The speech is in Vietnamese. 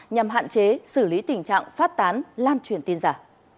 nhằm hạn chế xử lý tình trạng phát tán lan truyền tin giả